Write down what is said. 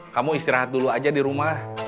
kamu istirahat dulu aja di rumah